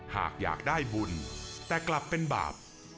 หากอยากได้บุญแต่กลับเป็นบาป